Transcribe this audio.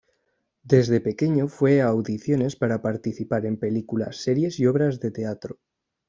Desde pequeño fue a audiciones para participar en películas, series y obras de teatro.